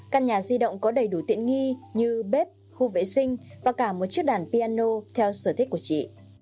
căn nhà di động có đầy đủ tiện nghi như bếp khu vệ sinh và cả một chiếc đàn piano theo sở thích của chị